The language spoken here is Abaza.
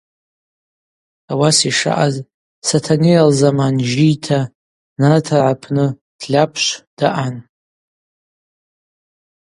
Ауаса йшаъаз, Сатанейа лзаман жьийта, нартыргӏа рпны Тлапшв даъан.